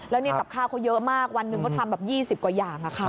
แล้วกับข้าวเขาเยอะมากวันหนึ่งเขาทำแบบ๒๐กว่าอย่างค่ะ